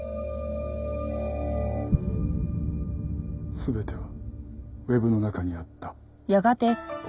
全てはウェブの中にあった。